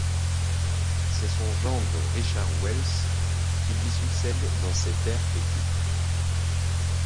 C'est son gendre, Richard Welles, qui lui succède dans ses terres et titres.